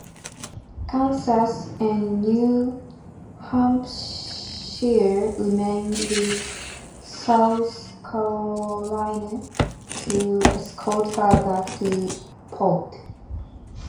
"Kansas" and "New Hampshire" remained with "South Carolina" to escort her back to port.